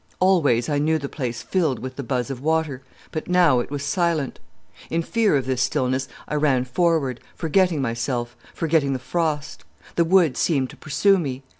Always I knew the place filled with the buzz of water, but now it was silent. In fear of this stillness I ran forward, forgetting myself, forgetting the frost. The wood seemed to pursue me.